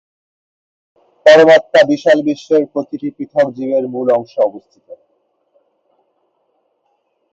পরমাত্মা বিশাল বিশ্বের প্রতিটি পৃথক জীবের মূল অংশে অবস্থিত।